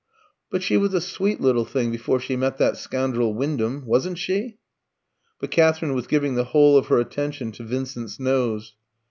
"But she was a sweet little thing before she met that scoundrel Wyndham. Wasn't she?" But Katherine was giving the whole of her attention to Vincent's nose.